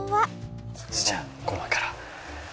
じゃあごまから。